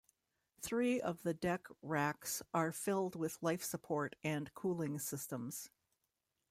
Three of the deck racks are filled with life support and cooling systems.